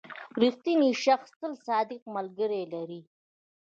• رښتینی شخص تل صادق ملګري لري.